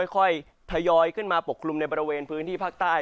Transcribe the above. ค่อยทยอยขึ้นมาปกคลุมในบริเวณพื้นที่ภาคใต้